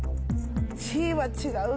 Ｃは違う。